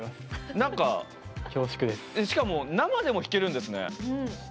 しかも生でも弾けるんですね。